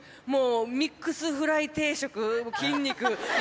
もう、ミックスフライ定食、筋肉。